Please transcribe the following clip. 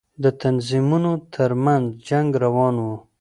د تنظيمونو تر منځ جنگ روان و.